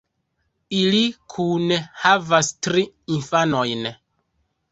Ili kune havas tri infanojn.